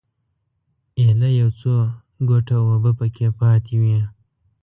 ایله یو څو ګوټه اوبه په کې پاتې وې.